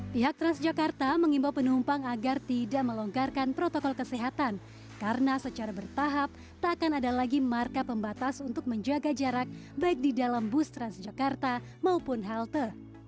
pihak transjakarta mengimbau penumpang agar tidak melonggarkan protokol kesehatan karena secara bertahap tak akan ada lagi marka pembatas untuk menjaga jarak baik di dalam bus transjakarta maupun halte